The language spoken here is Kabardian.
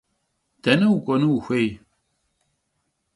Dene vuk'uenu vuxuêy?